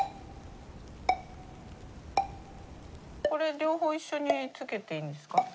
これ両方一緒につけていいんですか？